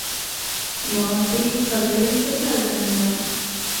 ما دې پګړۍ په سر ګنله